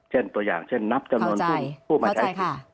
เช่นตัวอย่างเช่นนัพจรณคู่มาใช้